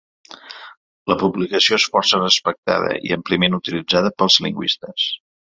La publicació és força respectada i àmpliament utilitzada pels lingüistes.